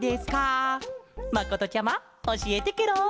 まことちゃまおしえてケロ。